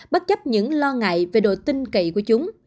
bất chấp những lo ngại về độ tinh cậy của chúng